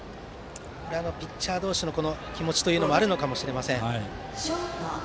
ピッチャー同士の気持ちもあるのかもしれません。